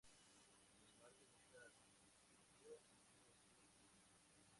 Sin embargo, nunca compitió debido a su asilo.